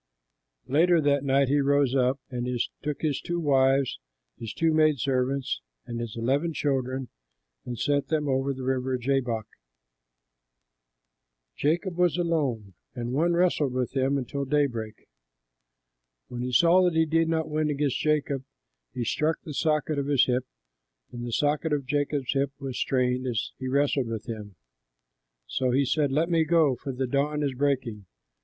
Later that night he rose up and took his two wives, his two maid servants, and his eleven children, and sent them over the river Jabbok. Jacob was left alone, and one wrestled with him until daybreak. When he saw that he did not win against Jacob, he struck the socket of his hip, and the socket of Jacob's hip was strained, as he wrestled with him. Then he said, "Let me go, for the dawn is breaking."